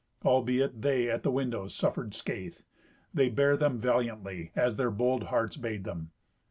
Albeit they at the windows suffered scathe, they bared them valiantly, as their bold hearts bade them.